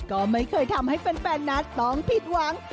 ก็ไม่เคยทำให้แฟนนัทต้องผิดหวัง